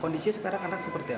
kondisi sekarang anak seperti apa